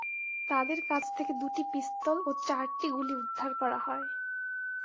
তাঁদের কাছ থেকে দুটি পিস্তল ও চারটি গুলি উদ্ধার করা হয়।